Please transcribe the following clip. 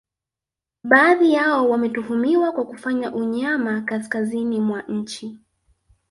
Baadhi yao wametuhumiwa kwa kufanya unyama kaskazini mwa nchi